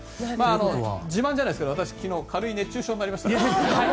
自慢じゃないですが私、昨日軽い熱中症になりました。